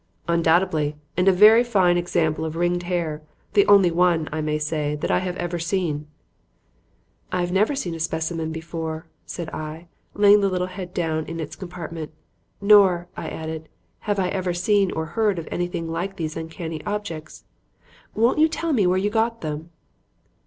"Undoubtedly. And a very fine example of ringed hair; the only one, I may say, that I have ever seen." "I have never seen a specimen before," said I, laying the little head down in its compartment, "nor," I added, "have I ever seen or heard of anything like these uncanny objects. Won't you tell me where you got them?"